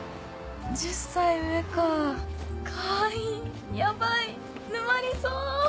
１０歳上かかわいいヤバい沼りそう！